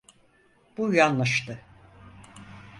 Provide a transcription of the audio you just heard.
Bu yanlıştı.